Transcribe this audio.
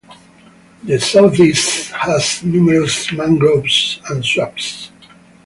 The southeast has numerous mangroves and swamps.